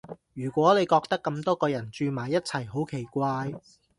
如果你覺得咁多個人住埋一齊好奇怪